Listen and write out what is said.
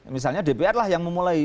misalnya dpr lah yang memulai